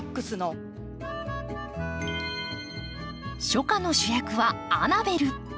初夏の主役はアナベル。